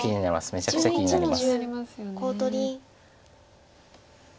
めちゃくちゃ気になります。